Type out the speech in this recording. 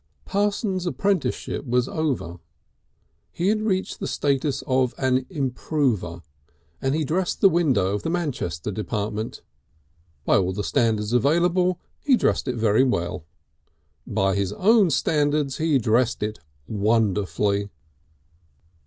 Parsons' apprenticeship was over; he had reached the status of an Improver, and he dressed the window of the Manchester department. By all the standards available he dressed it very well. By his own standards he dressed it wonderfully.